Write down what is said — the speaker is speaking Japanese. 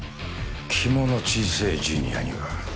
肝の小せえジュニアには